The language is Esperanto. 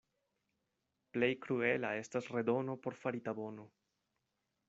Plej kruela estas redono por farita bono.